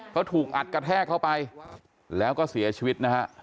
เขาถูกอัดกระแทกเข้าไปแล้วก็เสียชีวิตนะฮะ